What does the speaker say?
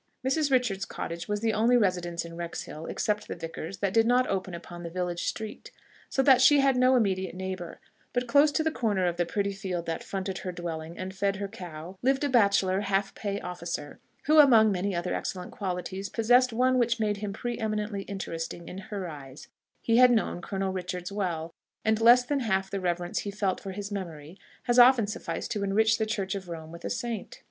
Mrs. Richards's cottage was the only residence in Wrexhill except the Vicar's that did not open upon the village street, so that she had no immediate neighbour; but close to the corner of the pretty field that fronted her dwelling and fed her cow, lived a bachelor half pay officer, who among many other excellent qualities possessed one which made him pre eminently interesting in her eyes: he had known Colonel Richards well, and less than half the reverence he felt for his memory has often sufficed to enrich the church of Rome with a saint.